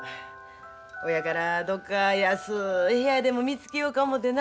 ほやからどっか安い部屋でも見つけようか思てな。